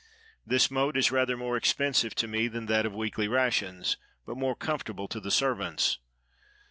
This mode is rather more expensive to me than that of weekly rations, but more comfortable to the servants.